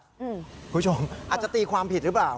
คุณผู้ชมอาจจะตีความผิดหรือเปล่า